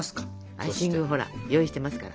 アイシングをほら用意してますから。